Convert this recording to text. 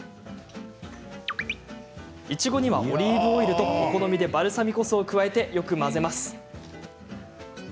いちごには、オリーブオイルとお好みでバルサミコ酢を加えてよく混ぜます。